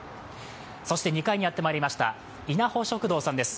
そして２階にやってまいりました、いなほ食堂さんです。